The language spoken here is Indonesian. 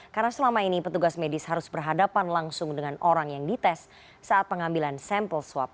karena selama ini petugas medis harus berhadapan langsung dengan orang yang dites saat pengambilan sampel swab